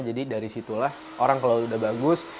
jadi dari situlah orang kalau sudah bagus